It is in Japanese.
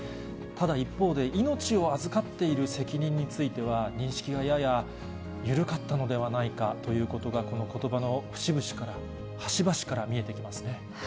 ただ一方で、命を預かっている責任については、認識がやや緩かったのではないかということが、このことばの端々から見えてきますね。